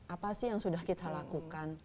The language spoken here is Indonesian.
apa sih yang sudah kita lakukan